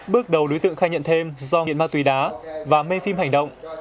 bước đầu đối tượng khai nhận thêm do nghiện ma túy đá và mê phim hành động